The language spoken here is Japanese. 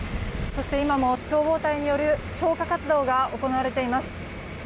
そして今も消防隊による消火活動が行われています。